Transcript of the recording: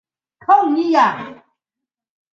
太子司马绍即位。